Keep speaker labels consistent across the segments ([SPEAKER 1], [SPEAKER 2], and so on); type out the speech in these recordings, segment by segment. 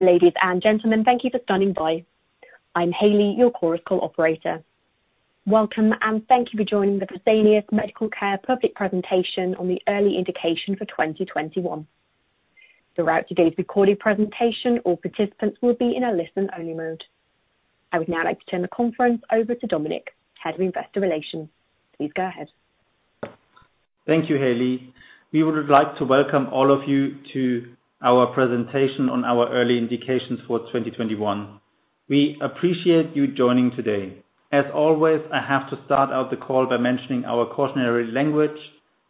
[SPEAKER 1] Ladies and gentlemen, thank you for standing by. I'm Hailey, your Chorus Call operator. Welcome, and thank you for joining the Fresenius Medical Care public presentation on the early indication for 2021. Throughout today's recorded presentation, all participants will be in a listen-only mode. I would now like to turn the conference over to Dominik, Head of Investor Relations. Please go ahead.
[SPEAKER 2] Thank you, Hailey. We would like to welcome all of you to our presentation on our early indications for 2021. We appreciate you joining today. As always, I have to start out the call by mentioning our cautionary language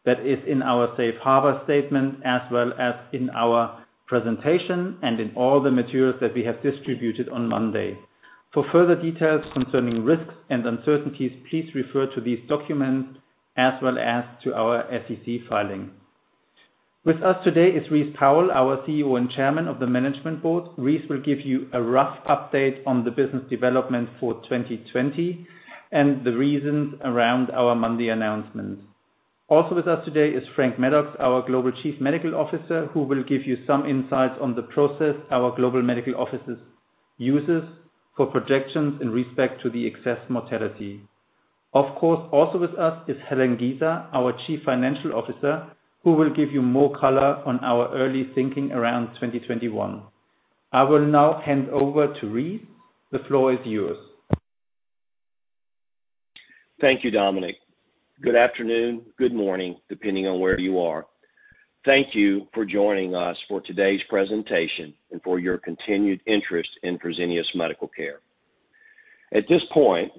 [SPEAKER 2] that is in our safe harbor statement, as well as in our presentation and in all the materials that we have distributed on Monday. For further details concerning risks and uncertainties, please refer to these documents as well as to our SEC filing. With us today is Rice Powell, our CEO and Chairman of the Management Board. Rice will give you a rough update on the business development for 2020 and the reasons around our Monday announcement. Also with us today is Frank Maddux, our Global Chief Medical Officer, who will give you some insights on the process our global medical offices uses for projections in respect to the excess mortality. Of course, also with us is Helen Giza, our Chief Financial Officer, who will give you more color on our early thinking around 2021. I will now hand over to Rice. The floor is yours.
[SPEAKER 3] Thank you, Dominik. Good afternoon, good morning, depending on where you are. Thank you for joining us for today's presentation and for your continued interest in Fresenius Medical Care. At this point,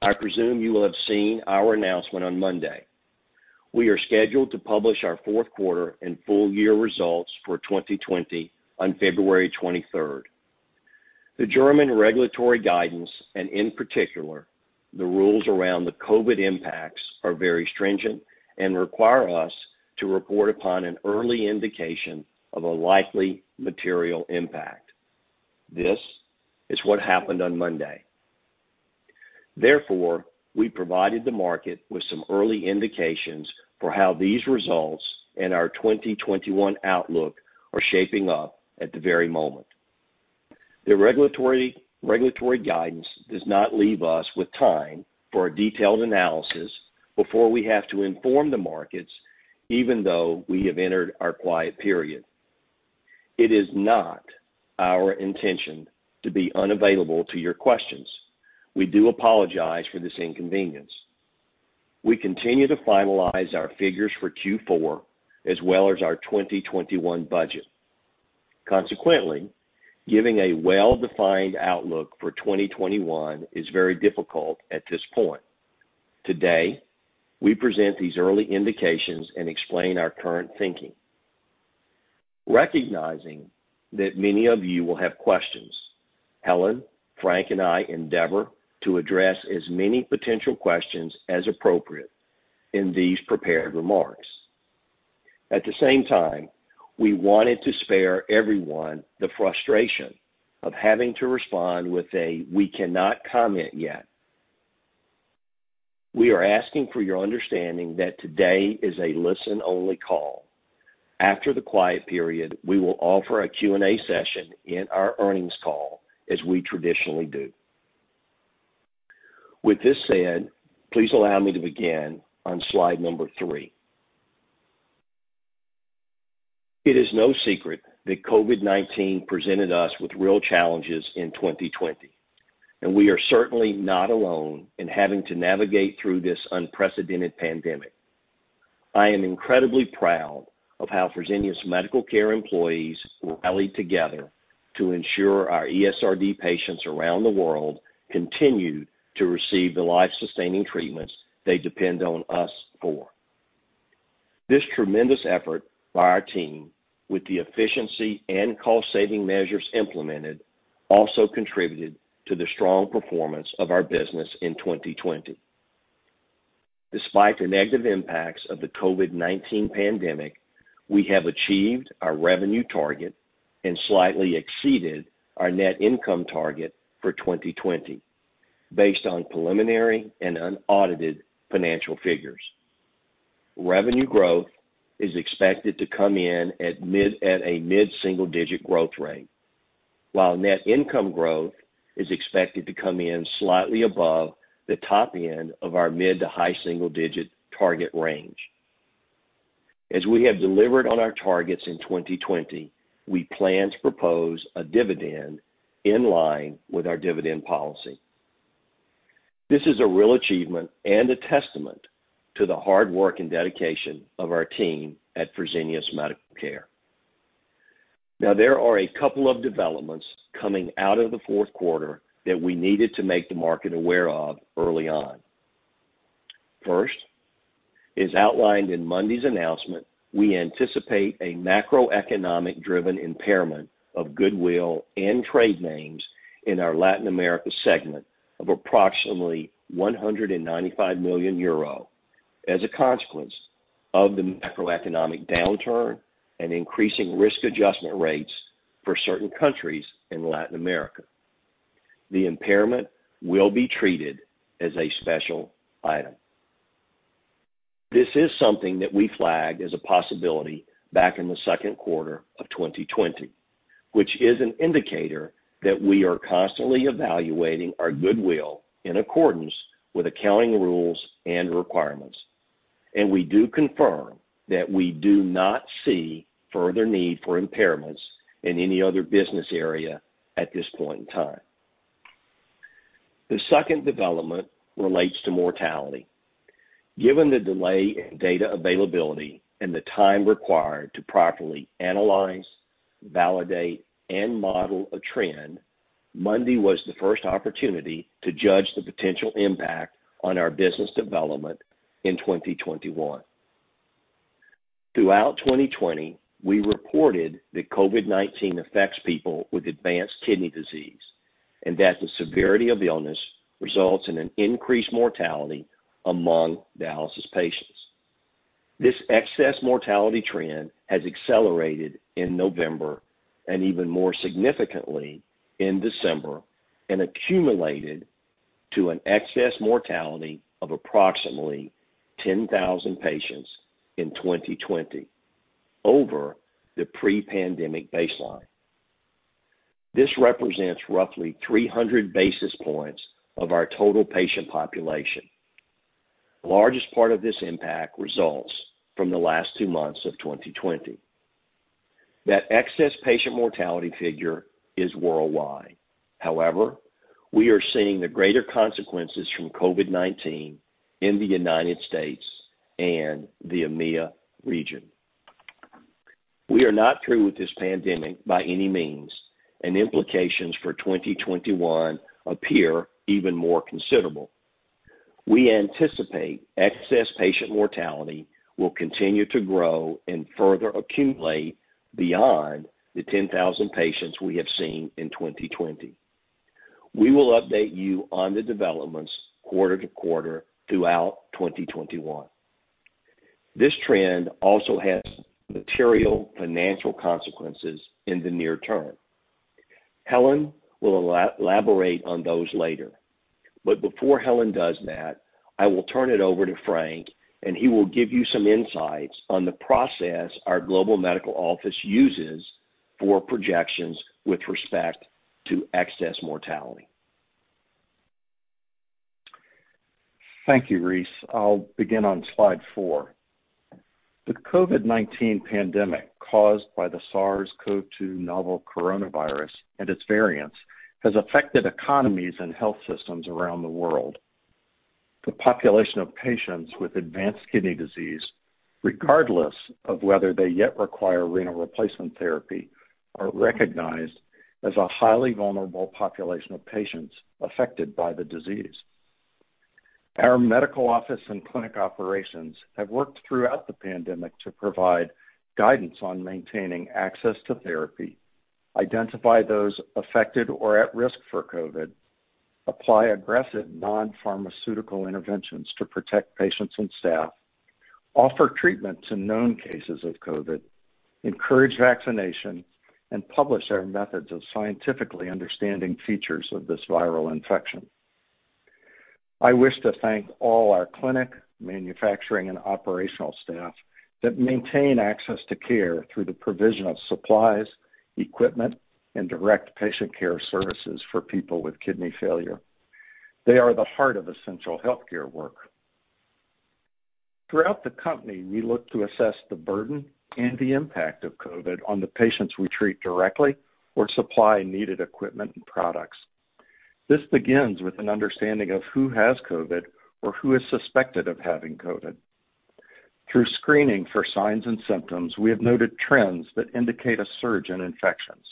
[SPEAKER 3] I presume you will have seen our announcement on Monday. We are scheduled to publish our fourth quarter and full year results for 2020 on February 23rd. The German regulatory guidance, and in particular, the rules around the COVID impacts, are very stringent and require us to report upon an early indication of a likely material impact. This is what happened on Monday. Therefore, we provided the market with some early indications for how these results and our 2021 outlook are shaping up at the very moment. The regulatory guidance does not leave us with time for a detailed analysis before we have to inform the markets, even though we have entered our quiet period. It is not our intention to be unavailable to your questions. We do apologize for this inconvenience. We continue to finalize our figures for Q4, as well as our 2021 budget. Consequently, giving a well-defined outlook for 2021 is very difficult at this point. Today, we present these early indications and explain our current thinking. Recognizing that many of you will have questions, Helen, Frank, and I endeavor to address as many potential questions as appropriate in these prepared remarks. At the same time, we wanted to spare everyone the frustration of having to respond with a, "We cannot comment yet." We are asking for your understanding that today is a listen-only call. After the quiet period, we will offer a Q&A session in our earnings call as we traditionally do. With this said, please allow me to begin on slide number three. It is no secret that COVID-19 presented us with real challenges in 2020, and we are certainly not alone in having to navigate through this unprecedented pandemic. I am incredibly proud of how Fresenius Medical Care employees rallied together to ensure our ESRD patients around the world continue to receive the life-sustaining treatments they depend on us for. This tremendous effort by our team with the efficiency and cost-saving measures implemented also contributed to the strong performance of our business in 2020. Despite the negative impacts of the COVID-19 pandemic, we have achieved our revenue target and slightly exceeded our net income target for 2020 based on preliminary and unaudited financial figures. Revenue growth is expected to come in at a mid-single-digit growth rate, while net income growth is expected to come in slightly above the top end of our mid to high single-digit target range. As we have delivered on our targets in 2020, we plan to propose a dividend in line with our dividend policy. This is a real achievement and a testament to the hard work and dedication of our team at Fresenius Medical Care. Now, there are a couple of developments coming out of the fourth quarter that we needed to make the market aware of early on. First, as outlined in Monday's announcement, we anticipate a macroeconomic-driven impairment of goodwill and trade names in our Latin America segment of approximately 195 million euro as a consequence of the macroeconomic downturn and increasing risk adjustment rates for certain countries in Latin America. The impairment will be treated as a special item. This is something that we flagged as a possibility back in the second quarter of 2020, which is an indicator that we are constantly evaluating our goodwill in accordance with accounting rules and requirements. We do confirm that we do not see further need for impairments in any other business area at this point in time. The second development relates to mortality. Given the delay in data availability and the time required to properly analyze, validate, and model a trend, Monday was the first opportunity to judge the potential impact on our business development in 2021. Throughout 2020, we reported that COVID-19 affects people with advanced kidney disease, and that the severity of the illness results in an increased mortality among dialysis patients. This excess mortality trend has accelerated in November and even more significantly in December and accumulated to an excess mortality of approximately 10,000 patients in 2020 over the pre-pandemic baseline. This represents roughly 300 basis points of our total patient population. The largest part of this impact results from the last two months of 2020. That excess patient mortality figure is worldwide. However, we are seeing the greater consequences from COVID-19 in the United States and the EMEA region. We are not through with this pandemic by any means, and implications for 2021 appear even more considerable. We anticipate excess patient mortality will continue to grow and further accumulate beyond the 10,000 patients we have seen in 2020. We will update you on the developments quarter to quarter throughout 2021. This trend also has material financial consequences in the near term. Helen will elaborate on those later. Before Helen does that, I will turn it over to Frank, and he will give you some insights on the process our global medical office uses for projections with respect to excess mortality.
[SPEAKER 4] Thank you, Rice. I'll begin on slide four. The COVID-19 pandemic caused by the SARS-CoV-2 novel coronavirus and its variants has affected economies and health systems around the world. The population of patients with advanced kidney disease, regardless of whether they yet require renal replacement therapy, are recognized as a highly vulnerable population of patients affected by the disease. Our medical office and clinic operations have worked throughout the pandemic to provide guidance on maintaining access to therapy, identify those affected or at risk for COVID, apply aggressive non-pharmaceutical interventions to protect patients and staff, offer treatment to known cases of COVID, encourage vaccination, and publish our methods of scientifically understanding features of this viral infection. I wish to thank all our clinic, manufacturing, and operational staff that maintain access to care through the provision of supplies, equipment, and direct patient care services for people with kidney failure. They are the heart of essential healthcare work. Throughout the company, we look to assess the burden and the impact of COVID on the patients we treat directly or supply needed equipment and products. This begins with an understanding of who has COVID or who is suspected of having COVID. Through screening for signs and symptoms, we have noted trends that indicate a surge in infections.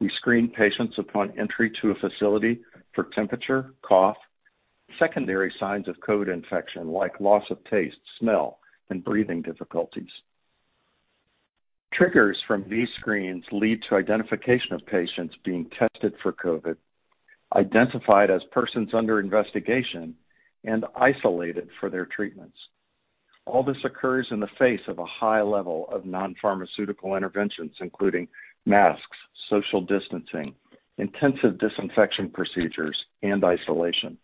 [SPEAKER 4] We screen patients upon entry to a facility for temperature, cough, secondary signs of COVID infection like loss of taste, smell, and breathing difficulties. Triggers from these screens lead to identification of patients being tested for COVID, identified as persons under investigation, and isolated for their treatments. All this occurs in the face of a high level of non-pharmaceutical interventions, including masks, social distancing, intensive disinfection procedures, and isolation.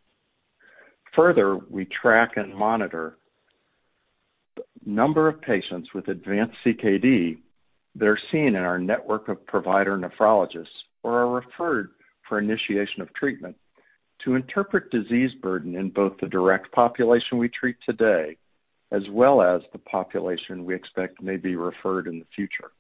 [SPEAKER 4] Further, we track and monitor the number of patients with advanced CKD that are seen in our network of provider nephrologists or are referred for initiation of treatment to interpret disease burden in both the direct population we treat today, as well as the population we expect may be referred in the future.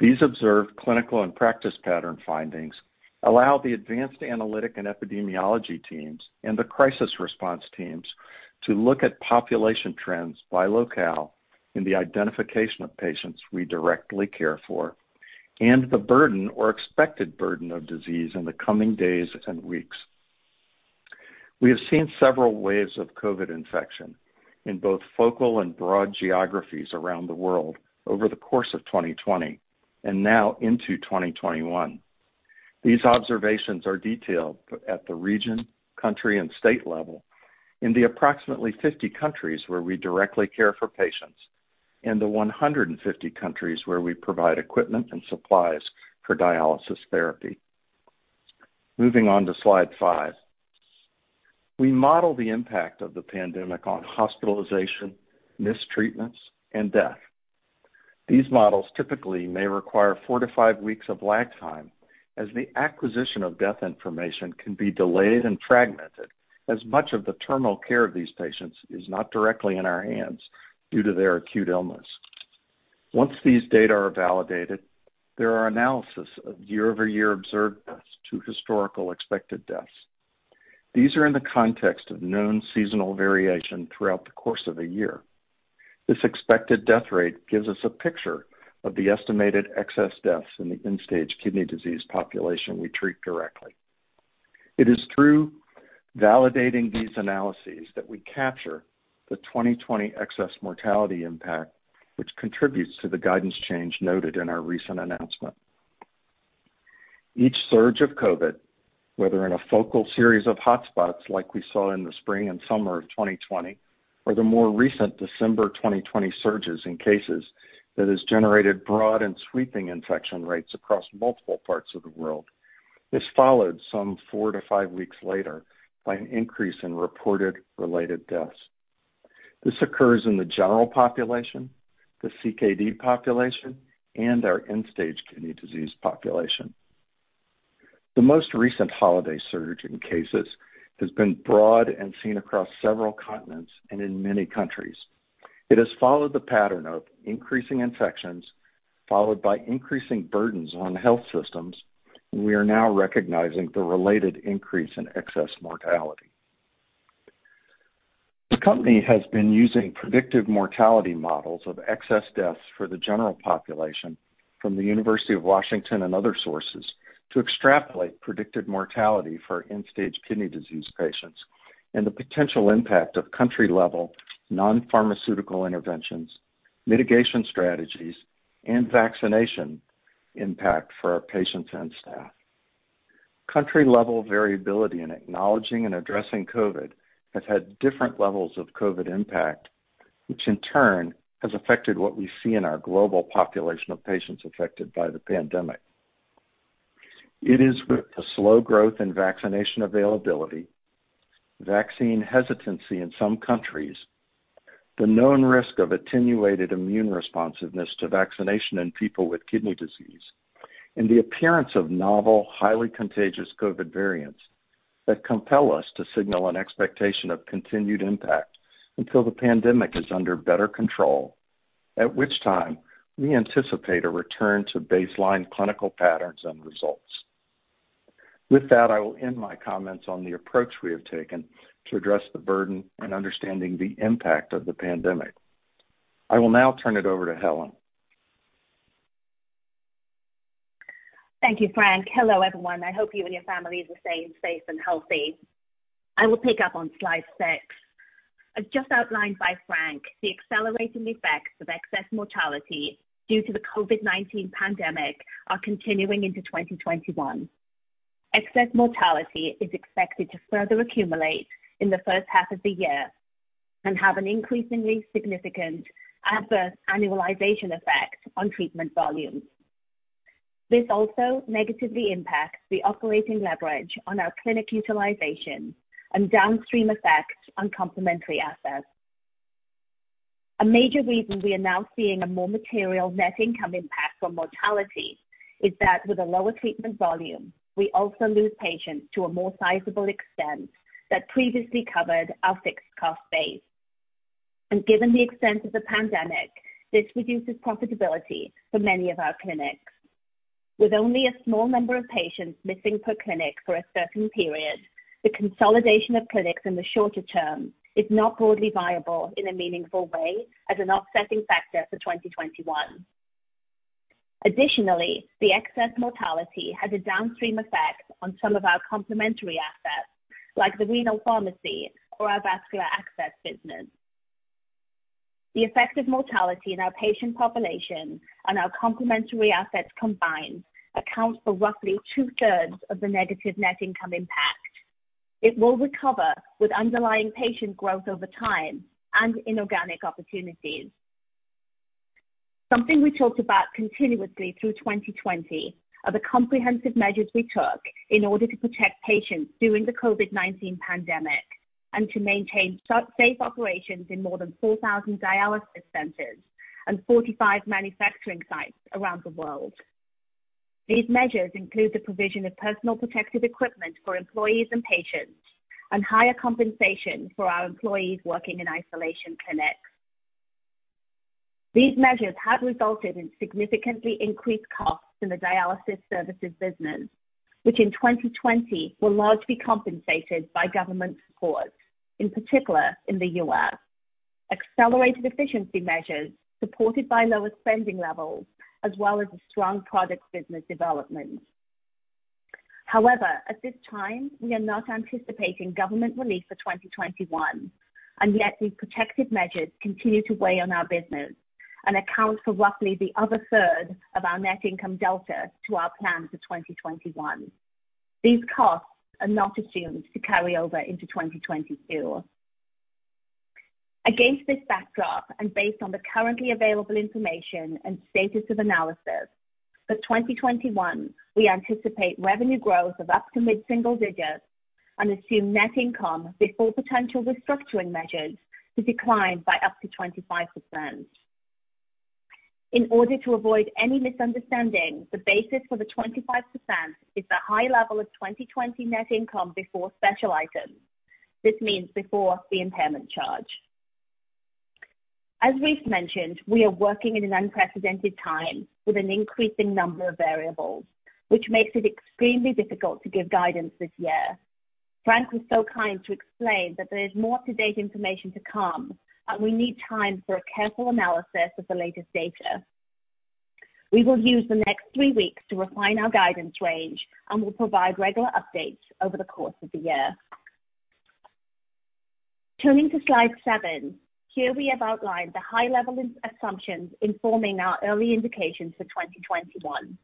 [SPEAKER 4] These observed clinical and practice pattern findings allow the advanced analytic and epidemiology teams and the crisis response teams to look at population trends by locale in the identification of patients we directly care for, and the burden or expected burden of disease in the coming days and weeks. We have seen several waves of COVID infection in both focal and broad geographies around the world over the course of 2020 and now into 2021. These observations are detailed at the region, country, and state level in the approximately 50 countries where we directly care for patients and the 150 countries where we provide equipment and supplies for dialysis therapy. Moving on to slide five. We model the impact of the pandemic on hospitalization, missed treatments, and death. These models typically may require four to five weeks of lag time as the acquisition of death information can be delayed and fragmented, as much of the terminal care of these patients is not directly in our hands due to their acute illness. Once these data are validated, there are analysis of year-over-year observed deaths to historical expected deaths. These are in the context of known seasonal variation throughout the course of a year. This expected death rate gives us a picture of the estimated excess deaths in the end-stage kidney disease population we treat directly. It is through validating these analyses that we capture the 2020 excess mortality impact, which contributes to the guidance change noted in our recent announcement. Each surge of COVID, whether in a focal series of hotspots like we saw in the spring and summer of 2020, or the more recent December 2020 surges in cases that has generated broad and sweeping infection rates across multiple parts of the world, is followed some four to five weeks later by an increase in reported related deaths. This occurs in the general population, the CKD population, and our end-stage kidney disease population. The most recent holiday surge in cases has been broad and seen across several continents and in many countries. It has followed the pattern of increasing infections followed by increasing burdens on health systems. We are now recognizing the related increase in excess mortality. The company has been using predictive mortality models of excess deaths for the general population from the University of Washington and other sources to extrapolate predicted mortality for end-stage kidney disease patients and the potential impact of country-level non-pharmaceutical interventions, mitigation strategies, and vaccination impact for our patients and staff. Country-level variability in acknowledging and addressing COVID has had different levels of COVID impact, which in turn has affected what we see in our global population of patients affected by the pandemic. It is with the slow growth in vaccination availability, vaccine hesitancy in some countries, the known risk of attenuated immune responsiveness to vaccination in people with kidney disease, and the appearance of novel, highly contagious COVID variants that compel us to signal an expectation of continued impact until the pandemic is under better control, at which time we anticipate a return to baseline clinical patterns and results. With that, I will end my comments on the approach we have taken to address the burden and understanding the impact of the pandemic. I will now turn it over to Helen.
[SPEAKER 5] Thank you, Frank. Hello, everyone. I hope you and your families are staying safe and healthy. I will pick up on slide six. As just outlined by Frank, the accelerating effects of excess mortality due to the COVID-19 pandemic are continuing into 2021. Excess mortality is expected to further accumulate in the first half of the year and have an increasingly significant adverse annualization effect on treatment volumes. This also negatively impacts the operating leverage on our clinic utilization and downstream effects on complementary assets. A major reason we are now seeing a more material net income impact from mortality is that with a lower treatment volume, we also lose patients to a more sizable extent that previously covered our fixed cost base. Given the extent of the pandemic, this reduces profitability for many of our clinics. With only a small number of patients missing per clinic for a certain period, the consolidation of clinics in the shorter term is not broadly viable in a meaningful way as an offsetting factor for 2021. Additionally, the excess mortality has a downstream effect on some of our complementary assets like the renal pharmacy or our vascular access business. The effect of mortality in our patient population and our complementary assets combined accounts for roughly 2/3 of the negative net income impact. It will recover with underlying patient growth over time and inorganic opportunities. Something we talked about continuously through 2020 are the comprehensive measures we took in order to protect patients during the COVID-19 pandemic and to maintain [safe] operations in more than 4,000 dialysis centers and 45 manufacturing sites around the world. These measures include the provision of personal protective equipment for employees and patients and higher compensation for our employees working in isolation clinics. These measures have resulted in significantly increased costs in the dialysis services business, which in 2020 were largely compensated by government support, in particular in the U.S. Accelerated efficiency measures supported by lower spending levels, as well as a strong product business development. At this time, we are not anticipating government relief for 2021, and yet these protective measures continue to weigh on our business and account for roughly the other third of our net income delta to our plan for 2021. These costs are not assumed to carry over into 2022. Against this backdrop and based on the currently available information and status of analysis, for 2021, we anticipate revenue growth of up to mid-single digits and assume net income before potential restructuring measures to decline by up to 25%. In order to avoid any misunderstanding, the basis for the 25% is the high level of 2020 net income before special items. This means before the impairment charge. As Rice mentioned, we are working in an unprecedented time with an increasing number of variables, which makes it extremely difficult to give guidance this year. Frank was so kind to explain that there is more up-to-date information to come, and we need time for a careful analysis of the latest data. We will use the next three weeks to refine our guidance range and will provide regular updates over the course of the year. Turning to slide seven. Here we have outlined the high-level assumptions informing our early indications for 2021.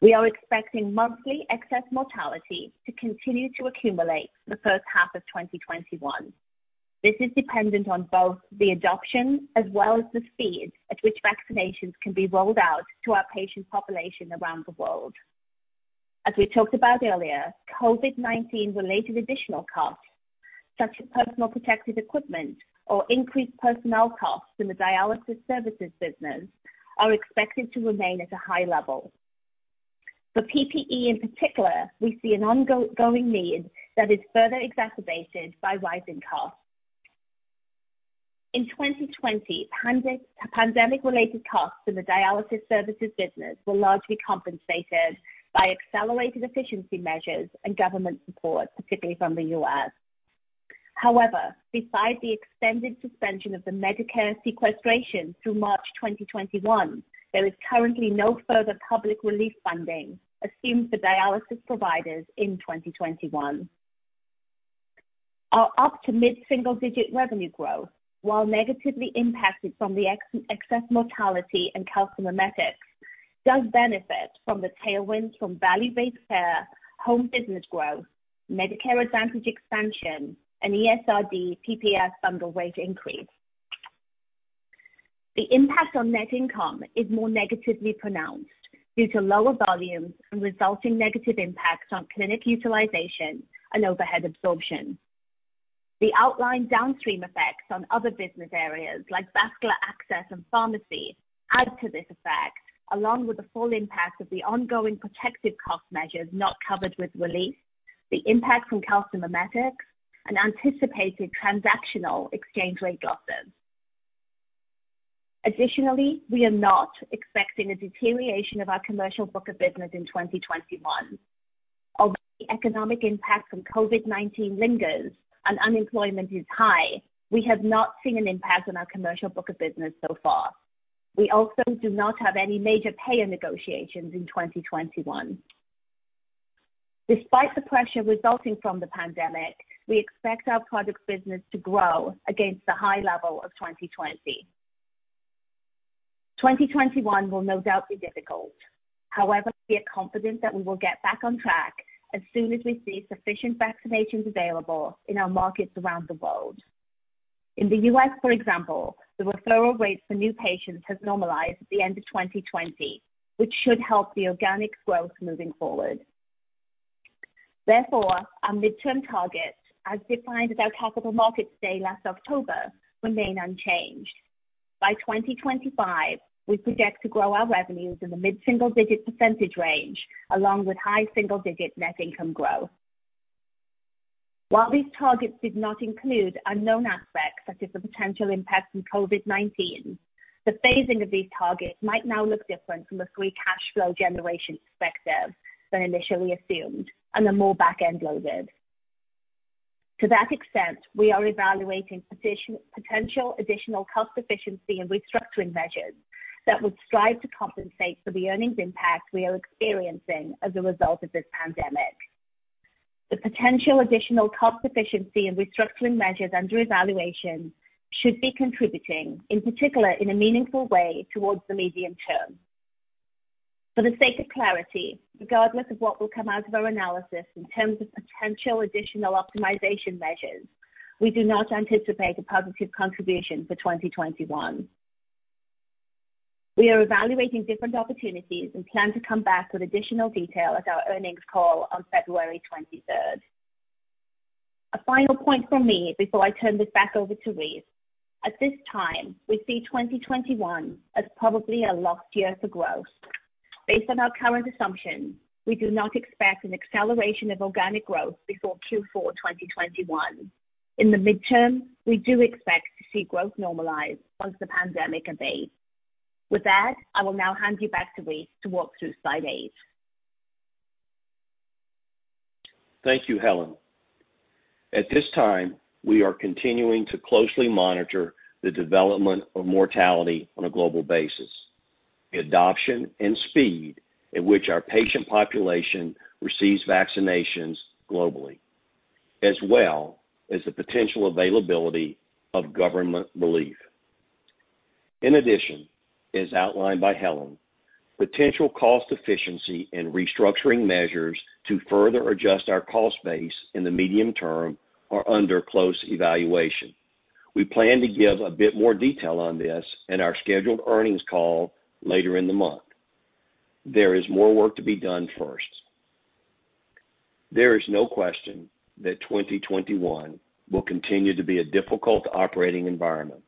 [SPEAKER 5] We are expecting monthly excess mortality to continue to accumulate the first half of 2021. This is dependent on both the adoption as well as the speed at which vaccinations can be rolled out to our patient population around the world. As we talked about earlier, COVID-19 related additional costs such as personal protective equipment or increased personnel costs in the dialysis services business are expected to remain at a high level. For PPE in particular, we see an ongoing need that is further exacerbated by rising costs. In 2020, pandemic-related costs in the dialysis services business were largely compensated by accelerated efficiency measures and government support, particularly from the U.S. Besides the extended suspension of the Medicare sequestration through March 2021, there is currently no further public relief funding assumed for dialysis providers in 2021. Our up to mid-single-digit revenue growth, while negatively impacted from the excess mortality and calcimimetics does benefit from the tailwinds from value-based care, home business growth, Medicare Advantage expansion, and ESRD PPS bundle wage increase. The impact on net income is more negatively pronounced due to lower volumes and resulting negative impacts on clinic utilization and overhead absorption. The outlined downstream effects on other business areas like vascular access and pharmacy add to this effect, along with the full impact of the ongoing protective cost measures not covered with relief, the impact from calcimimetics, and anticipated transactional exchange rate losses. Additionally, we are not expecting a deterioration of our commercial book of business in 2021. Although the economic impact from COVID-19 lingers and unemployment is high, we have not seen an impact on our commercial book of business so far. We also do not have any major payer negotiations in 2021. Despite the pressure resulting from the pandemic, we expect our products business to grow against the high level of 2020. 2021 will no doubt be difficult. We are confident that we will get back on track as soon as we see sufficient vaccinations available in our markets around the world. In the U.S., for example, the referral rates for new patients have normalized at the end of 2020, which should help the organic growth moving forward. Our midterm targets, as defined at our Capital Markets Day last October, remain unchanged. By 2025, we project to grow our revenues in the mid-single-digit percentage range, along with high single-digit net income growth. While these targets did not include unknown aspects such as the potential impact from COVID-19, the phasing of these targets might now look different from a free cash flow generation perspective than initially assumed and are more back-end loaded. To that extent, we are evaluating potential additional cost efficiency and restructuring measures that would strive to compensate for the earnings impact we are experiencing as a result of this pandemic. The potential additional cost efficiency and restructuring measures under evaluation should be contributing, in particular, in a meaningful way towards the medium term. For the sake of clarity, regardless of what will come out of our analysis in terms of potential additional optimization measures, we do not anticipate a positive contribution for 2021. We are evaluating different opportunities and plan to come back with additional detail at our earnings call on February 23rd. A final point from me before I turn this back over to Rice. At this time, we see 2021 as probably a lost year for growth. Based on our current assumptions, we do not expect an acceleration of organic growth before Q4 2021. In the midterm, we do expect to see growth normalize once the pandemic abates. With that, I will now hand you back to Rice to walk through slide eight.
[SPEAKER 3] Thank you, Helen. At this time, we are continuing to closely monitor the development of mortality on a global basis, the adoption and speed at which our patient population receives vaccinations globally, as well as the potential availability of government relief. In addition, as outlined by Helen, potential cost efficiency and restructuring measures to further adjust our cost base in the medium term are under close evaluation. We plan to give a bit more detail on this in our scheduled earnings call later in the month. There is more work to be done first. There is no question that 2021 will continue to be a difficult operating environment.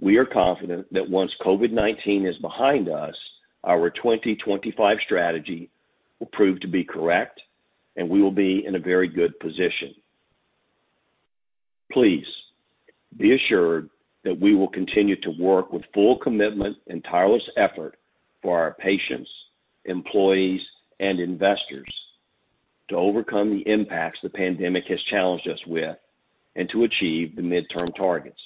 [SPEAKER 3] We are confident that once COVID-19 is behind us, our 2025 strategy will prove to be correct, and we will be in a very good position. Please be assured that we will continue to work with full commitment and tireless effort for our patients, employees, and investors to overcome the impacts the pandemic has challenged us with and to achieve the midterm targets.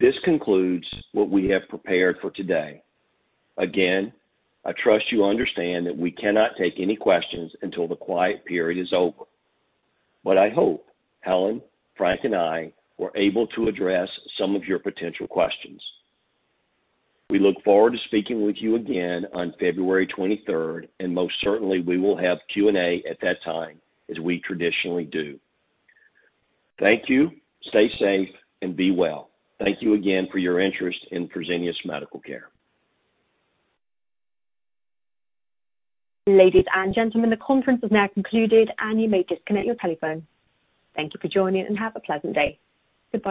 [SPEAKER 3] This concludes what we have prepared for today. Again, I trust you understand that we cannot take any questions until the quiet period is over. I hope Helen, Frank, and I were able to address some of your potential questions. We look forward to speaking with you again on February 23rd, and most certainly we will have Q&A at that time, as we traditionally do. Thank you. Stay safe and be well. Thank you again for your interest in Fresenius Medical Care.
[SPEAKER 1] Ladies and gentlemen, the conference is now concluded and you may disconnect your telephone. Thank you for joining and have a pleasant day. Goodbye.